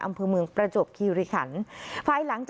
มื้องประจวบคิวเรขัน